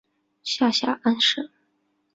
下辖安省。